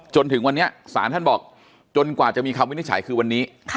จนถึงวันนี้ศาลท่านบอกจนกว่าจะมีคำวินิจฉัยคือวันนี้